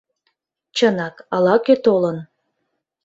Чынак, ала-кӧ толын.